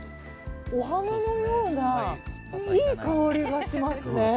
お花のようないい香りがしますね。